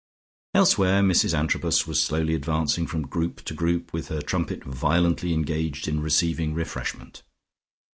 Elsewhere Mrs Antrobus was slowly advancing from group to group, with her trumpet violently engaged in receiving refreshment.